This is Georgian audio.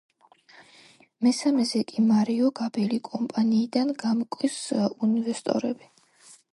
მესამეზე კი – მარიო გაბელი კომპანიიდან „გამკოს ინვესტორები“.